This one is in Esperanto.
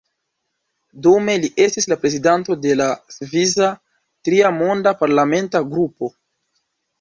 Dume li estis la prezidanto de la “svisa-Tria Monda” parlamenta grupo.